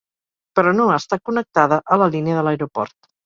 Però no està connectada a la línia de l'Aeroport.